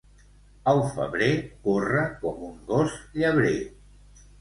El febrer corre com un gos llebrer.